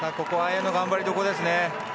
ここは頑張りどころですね。